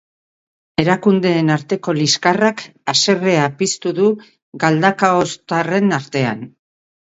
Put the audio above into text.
Erakundeen arteko liskarrak haserrea piztu du galdakaoztarren artean.